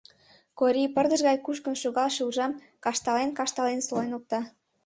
Корий пырдыж гай кушкын шогалше уржам каштален-каштален солен опта.